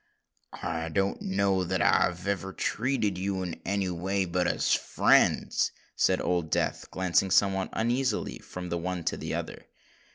"I don't know that I ever treated you in any way but as friends," said old Death, glancing somewhat uneasily from the one to the other.